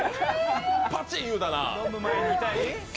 パチッ、言うたな。